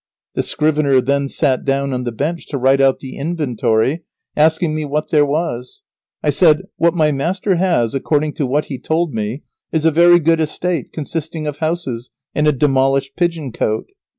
The scrivener then sat down on the bench to write out the inventory, asking me what there was. I said, "What my master has, according to what he told me, is a very good estate consisting of houses and a demolished pigeon cote."